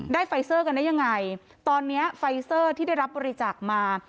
ไฟเซอร์กันได้ยังไงตอนนี้ไฟเซอร์ที่ได้รับบริจาคมา